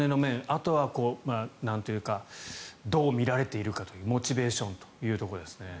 あとはどう見られているかというモチベーションというところ。